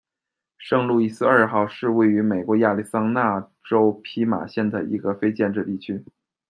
圣路易斯二号是位于美国亚利桑那州皮马县的一个非建制地区。